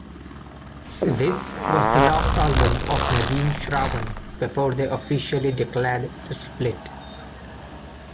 This was the last album of Nadeem-Shravan before they officially declared to split.